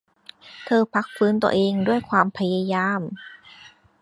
เธอพักฟื้นตัวเองด้วยความพยายาม